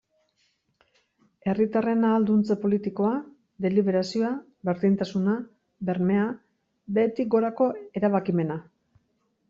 Herritarren ahalduntze politikoa, deliberazioa, berdintasuna, bermea, behetik gorako erabakimena...